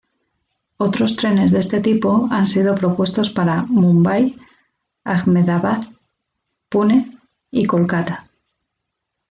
Otros trenes de este tipo han sido propuestos para Mumbai, Ahmedabad, Pune, y Kolkata.